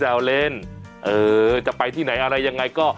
เออจะไปที่ไหนอะไรอย่างไรก็